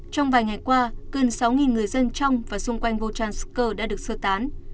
trong vài ngày qua gần sáu người dân trong và xung quanh voltansk đã được sơ tán